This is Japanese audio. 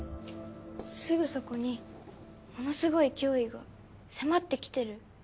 すぐそこにものすごい脅威が迫ってきてる。